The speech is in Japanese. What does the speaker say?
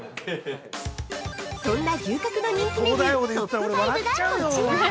◆そんな牛角の人気メニュー、トップ５がこちら。